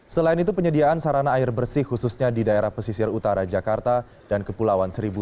selain itu penyediaan sarana air bersih khususnya di daerah pesisir utara jakarta dan kepulauan seribu